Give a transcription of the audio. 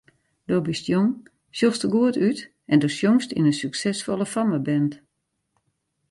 Do bist jong, sjochst der goed út en do sjongst yn in suksesfolle fammeband.